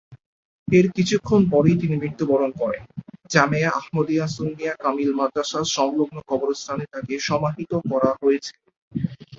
এর কিছুক্ষণ পরেই তিনি মৃত্যুবরণ করেন, জামেয়া আহমদিয়া সুন্নিয়া কামিল মাদরাসা সংলগ্ন কবরস্থানে তাকে সমাহিত করা হয়েছে।